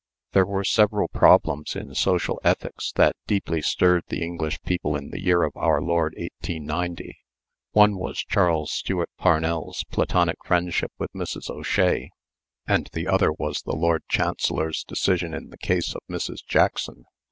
There were several problems in social ethics that deeply stirred the English people in the year of our Lord 1890. One was Charles Stewart Parnell's platonic friendship with Mrs. O'Shea, and the other was the Lord Chancellor's decision in the case of Mrs. Jackson.